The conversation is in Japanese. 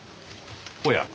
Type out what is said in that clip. おや？